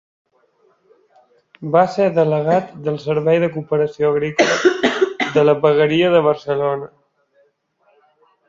Va ser Delegat del Servei de Cooperació Agrícola de la Vegueria de Barcelona.